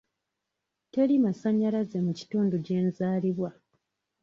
Teri masannyalaze mu kitundu gye nzaalibwa.